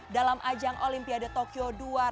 dalam ajang olimpiade tokyo dua ribu dua puluh